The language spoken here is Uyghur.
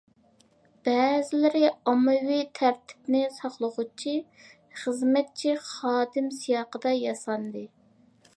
بەزىلىرى ئاممىۋى تەرتىپنى ساقلىغۇچى خىزمەتچى خادىم سىياقىدا ياساندى.